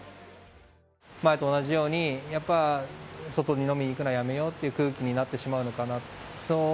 前と同じように、やっぱ外に飲みに行くのはやめようという空気になってしまうのかなと。